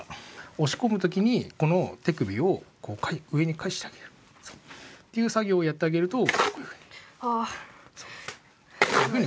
押し込む時にこの手首を上に返してあげる。っていう作業をやってあげるとこういうふうに。